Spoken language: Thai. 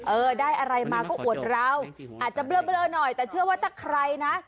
เออได้อะไรมาก็อวดเราอาจจะเบลอหน่อยแต่เชื่อว่าถ้าใครนะ